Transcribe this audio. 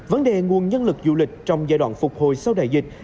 vấn đề nguồn nhân lực du lịch trong giai đoạn phục hồi sau đại dịch